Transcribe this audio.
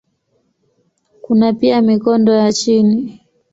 Kuna pia mikondo ya chini.